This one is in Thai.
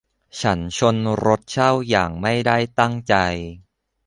ฉันชนรถเช่าอย่างไม่ได้ตั้งใจ